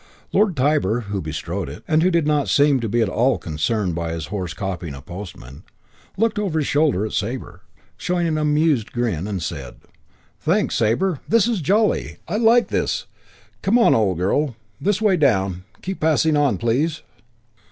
Lord Tybar, who bestrode it, and who did not seem to be at all concerned by his horse copying a postman, looked over his shoulder at Sabre, showing an amused grin, and said, "Thanks, Sabre. This is jolly. I like this. Come on, old girl. This way down. Keep passing on, please."